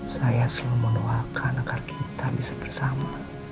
saya selalu mendoakan agar kita bisa bersama